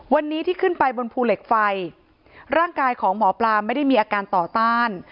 วันนี้ที่ขึ้นไปบนภูเหล็กไฟร่างกายของหมอปลาไม่ได้มีอาการต่อต้าน